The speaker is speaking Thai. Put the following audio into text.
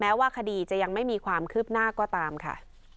ว่าคดีจะยังไม่มีความคืบหน้าก็ตามค่ะ